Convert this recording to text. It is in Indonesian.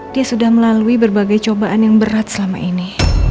dia sudah melalui berbagai cobaan yang berat selama ini